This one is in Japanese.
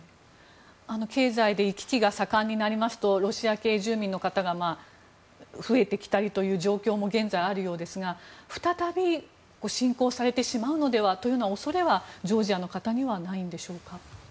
経済で行き来が盛んになりますとロシア系住民の方が増えてきたりという状況も現在あるようですが再び、侵攻されてしまうのではという恐れはジョージアの方にはないんでしょうか。